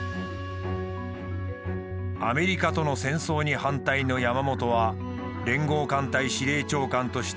アメリカとの戦争に反対の山本は連合艦隊司令長官として不満を表した。